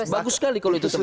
bagus sekali kalau itu semua